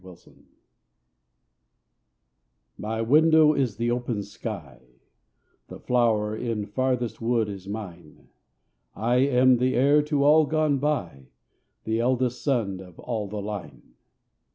IMMORTALITY My window is the open sky, The flower in farthest wood is mine; I am the heir to all gone by, The eldest son of all the line.